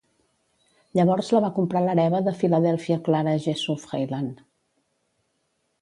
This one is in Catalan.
Llavors la va comprar l'hereva de Philadelphia Clara Jessup Heyland.